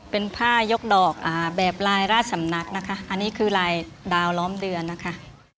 เป็นผ้ายกดอกแบบลายราชสำนักนะคะอันนี้คือลายดาวล้อมเดือนนะคะ